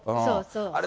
あれ？